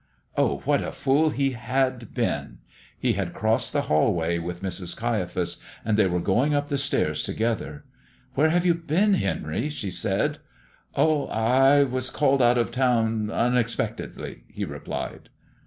Oh, what a fool he had been! He had crossed the hallway with Mrs. Caiaphas and they were going up the stairs together. "Where have you been, Henry?" she said. "Oh, I was called out of town unexpectedly," he replied.